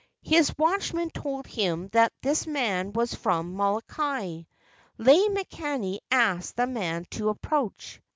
His watchman told him that this man was from Molokai. Lei makani asked the man to approach.